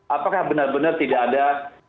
apakah benar benar tidak ada